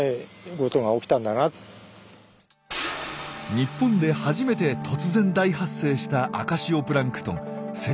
日本で初めて突然大発生した赤潮プランクトンセリフォルミス。